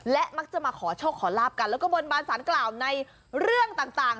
และมักจะมาขอโชคขอลาบกันแล้วก็บนบานสารกล่าวในเรื่องต่าง